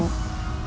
oh mah pas